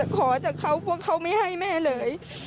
ขอจากเขาพวกเขาไม่ให้แม่เลย